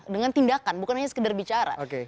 dengan tindakan bukan hanya sekedar bicara